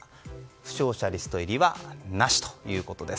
負傷者リスト入りはなしということです。